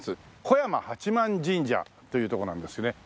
小山八幡神社というとこなんですね。